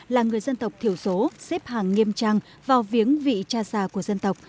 là người dân tộc thiểu số xếp hàng nghiêm trang vào viếng vị cha già của dân tộc